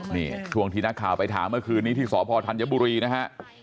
นี่ช่วงที่นักข่าวไปถามเมื่อคืนนี้ที่สพธัญบุรีนะฮะ